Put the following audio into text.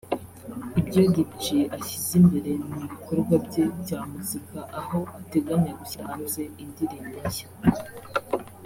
icyo Lil G ashyize imbere ni ibikorwa bye bya muzika aho ateganya gushyira hanze indirimbo nshya